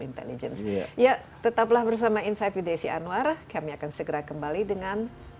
intelligence ya tetaplah bersama insight with desi anwar kami akan segera kembali dengan